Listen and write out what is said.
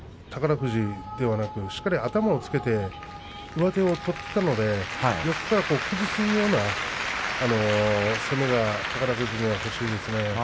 富士ではなくしっかり頭をつけて上手を取っていたので横から崩すような攻めが宝富士には欲しいですね。